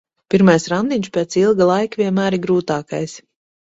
Pirmais randiņš pēc ilga laika vienmēr ir grūtākais.